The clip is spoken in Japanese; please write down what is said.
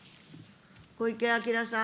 小池晃さん。